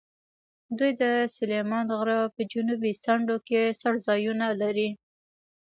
دوی د سلیمان غره په جنوبي څنډو کې څړځایونه لري.